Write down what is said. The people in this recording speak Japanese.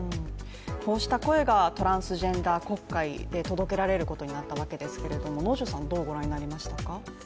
こうした声がトランスジェンダー国会で届けられることになったわけですが、能條さんはどうご覧になりましたか。